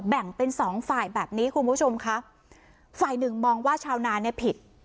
แบ่งเป็นสองฝ่ายแบบนี้คุณผู้ชมค่ะฝ่ายหนึ่งมองว่าชาวนาเนี่ยผิด